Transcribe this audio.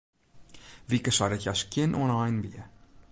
Wieke sei dat hja skjin ynein wie.